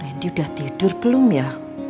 randy udah tidur belum ya